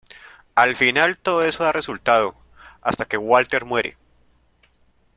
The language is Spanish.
Al final todo eso da resultado, hasta que Walter muere.